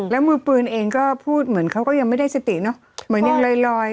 แล้วมือปืนเองก็พูดเหมือนเขาก็ยังไม่ได้สติเนอะเหมือนยังลอย